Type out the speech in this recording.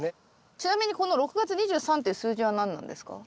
ちなみにこの６月２３っていう数字は何なんですか？